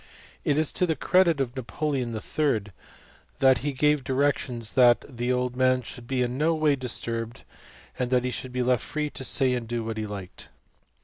It is to the credit of Napoleon III. that he gave directions that the old man should be in no way disturbed, and should be left free to say and do what he liked.